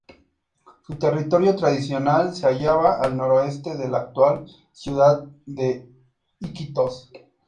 Su territorio tradicional se hallaba al noroeste de la actual ciudad de Iquitos.